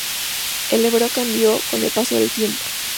El hebreo cambió con el paso del tiempo.